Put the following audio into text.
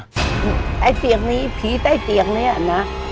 ไอ้เตียงนี้ผีใต้เตียงเนี่ยนะ